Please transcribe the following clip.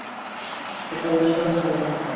ওটা ওয়েস্টার্ন ছিল না।